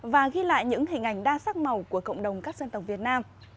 và ghi lại những hình ảnh đa sắc màu của cộng đồng các dân tộc việt nam